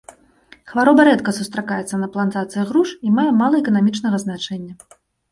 Хвароба рэдка сустракаецца на плантацыях груш і мае мала эканамічнага значэння.